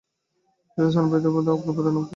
জলজ স্তন্যপায়ী প্রাণিদের অগ্রপদের নাম কী?